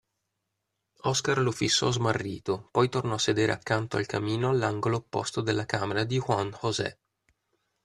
Oscar lo fissò smarrito, poi tornò a sedere accanto al camino all'angolo opposto della camera di Juan José.